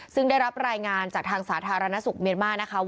ซึ่งได้รับรายงานจากทางสาธารณสุขเมียนมานะคะว่า